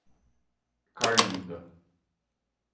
Carlinda